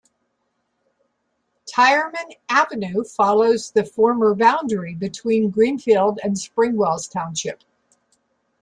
Tireman Avenue follows the former boundary between Greenfield and Springwells Township.